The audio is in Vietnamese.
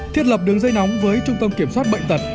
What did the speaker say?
thiết lập đường dây nóng với trung tâm kiểm soát bệnh tật